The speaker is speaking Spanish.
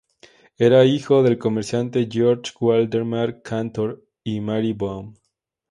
Era hijo del comerciante Georg Waldemar Cantor y de Marie Böhm.